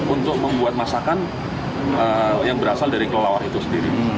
untuk membuat masakan yang berasal dari kelelawar itu sendiri